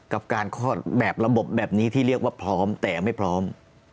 กับการคลอดแบบระบบแบบนี้ที่เรียกว่าพร้อมแต่ไม่พร้อม